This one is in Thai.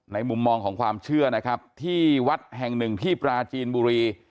มุมมองของความเชื่อนะครับที่วัดแห่งหนึ่งที่ปราจีนบุรี